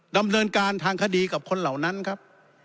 ดำเนินการทางคดีกับคนเหล่านั้นครับ